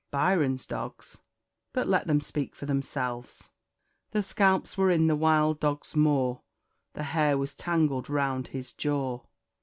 Byron's dogs But let them speak for themselves! 'The scalps were in the wild dog's maw, The hair was tangled round his jaw.'